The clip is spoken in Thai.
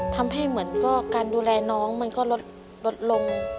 ทำให้เหมือนก็การดูแลน้องมันก็ลดลง